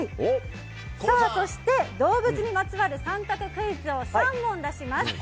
そして、動物にまつわる３択クイズを３問出します。